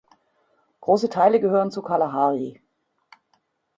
Große Teile gehören zur Kalahari.